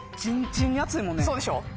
そうでしょう。